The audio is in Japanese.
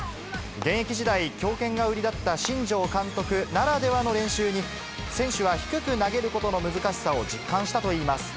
現役時代、強肩が売りだった新庄監督ならではの練習に、選手は低く投げることの難しさを実感したといいます。